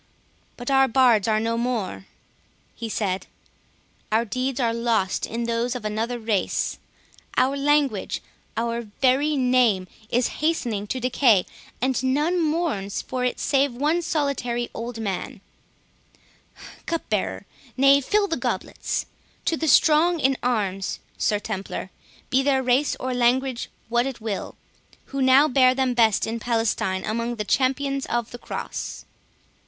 But our bards are no more," he said; "our deeds are lost in those of another race—our language—our very name—is hastening to decay, and none mourns for it save one solitary old man—Cupbearer! knave, fill the goblets—To the strong in arms, Sir Templar, be their race or language what it will, who now bear them best in Palestine among the champions of the Cross!"